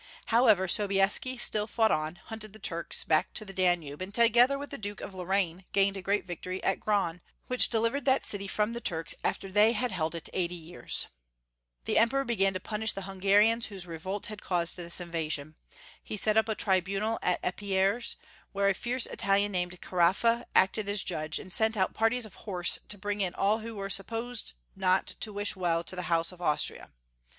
How ever, Sobieski still fought on, hunted the Turks back to the Danube, and together with the Duke of Lorraine gained a great victory at Gran, which delivered that city from the Turks after they had held it eighty years. The Emperor began to punish the Hungarians, whose revolt had caused this invasion. He set up a tribunal at Eperies, where a fierce Italian named Caraffa acted as judge, and sent out parties of horse to bring in all who were supposed not to wish well to the House of Austria.